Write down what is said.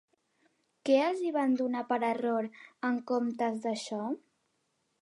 Què els hi van donar per error en comptes d'això?